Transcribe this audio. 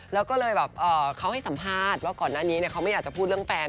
แล้วก็เลยแบบเขาให้สัมภาษณ์ว่าก่อนหน้านี้เขาไม่อยากจะพูดเรื่องแฟน